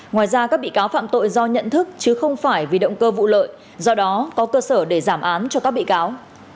ngoài ra các bị cáo phạm tội do nhận thức chứ không phải vì động cơ vụ lợi do đó có cơ sở để giảm án cho các bị cáo